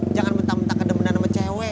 jangan mentah mentah kedemen sama cewek